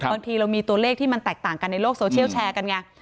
บางทีเรามีตัวเลขที่มันแตกต่างกันในโลกโซเชียลแชร์กันไง